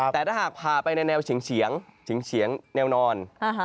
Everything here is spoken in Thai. แต่ถ้าหากพาไปในแนวเฉียงแนวนอน